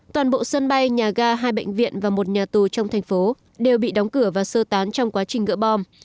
toàn bộ sân bay nhà ga hai bệnh viện và một nhà tù trong thành phố đều bị đóng cửa và sơ tán trong quá trình gỡ bom